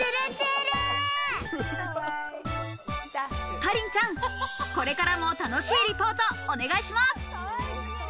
かりんちゃん、これからも楽しいリポートお願いします。